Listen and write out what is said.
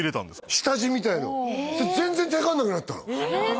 下地みたいの全然テカんなくなったのえっ！？